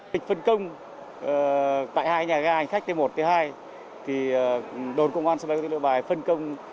thịch phân công tại hai nhà ga hành khách t một t hai đồn công an sân bay quốc tế nội bài phân công